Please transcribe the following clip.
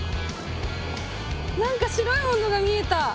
何か白いものが見えた。